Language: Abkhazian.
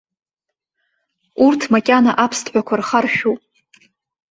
Урҭ макьана аԥсҭҳәақәа рхаршәуп.